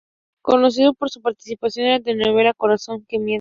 Conocido por su participación en la telenovela "Corazón que miente".